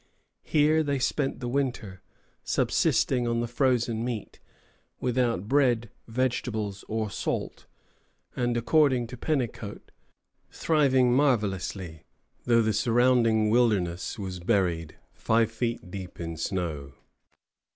Here they spent the winter, subsisting on the frozen meat, without bread, vegetables, or salt, and, according to Penecaut, thriving marvellously, though the surrounding wilderness was buried five feet deep in snow.